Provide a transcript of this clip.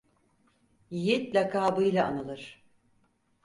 Yiğit lakabıyla anılır.